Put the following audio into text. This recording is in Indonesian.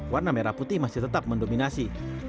warna merah putih masih tetap mendominasi